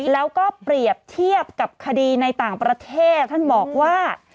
แล้วก็เปรียบเทียบกับคดีในต่างประเทศท่านบอกว่า